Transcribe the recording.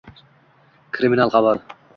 Kriminal xabar